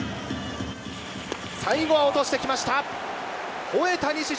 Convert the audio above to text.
最後は落としてきました。